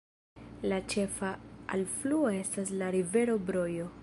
La ĉefa alfluo estas la rivero Brojo.